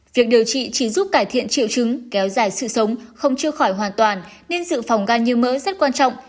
việc điều trị chỉ giúp cải thiện triệu chứng kéo dài sự sống không chưa khỏi hoàn toàn nên sự phòng gan như mỡ rất quan trọng